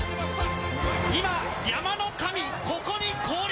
今、山の神、ここに降臨！